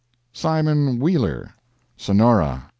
"SIMON WHEELER," Sonora.